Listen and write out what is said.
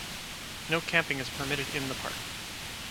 No camping is permitted in the park.